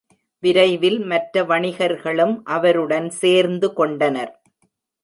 விரைவில் மற்ற வணிகர்களும் அவருடன் சேர்ந்து கொண்டனர்.